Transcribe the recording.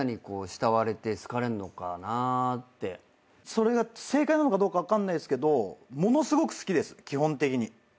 それが正解なのかどうか分かんないっすけどものすごく好きです基本的に。